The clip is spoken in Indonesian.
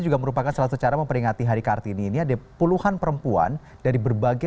juga merupakan salah satu cara memperingati hari kartini ini ada puluhan perempuan dari berbagai